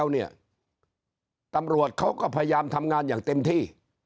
เนี่ยตำรวจเขาก็พยายามทำงานอย่างเต็มที่